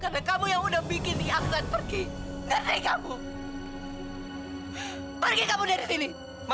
karena kamu yang udah bikin nih aksan pergi